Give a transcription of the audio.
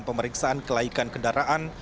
pemeriksaan kelaikan kendaraan